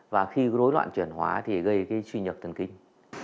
và khi rối loạn chuyển hóa thì gây cái truy nhập tần kinh